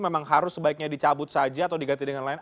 memang harus sebaiknya dicabut saja atau diganti dengan lain